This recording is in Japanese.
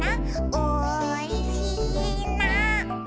「おいしいな」